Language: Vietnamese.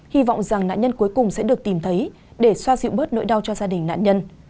hy vọng rằng nạn nhân cuối cùng sẽ được tìm thấy để xoa dịu bớt nỗi đau cho gia đình nạn nhân